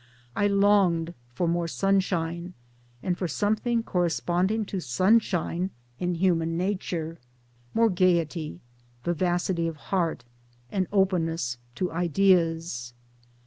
I longed for more sunshine, and for something corre sponding to sunshine in human nature more gaiety, vivacity of heart and openness to ideas.